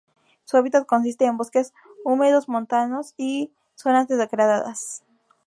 Su hábitat consiste en bosques húmedos montanos y zonas degradadas.